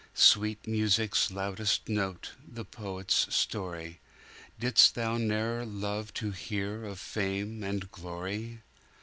Sweet music's loudest note, the poet's story, Didst thou ne'er love to hear of fame and glory?